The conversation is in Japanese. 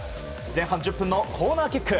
前半１０分のコーナーキック。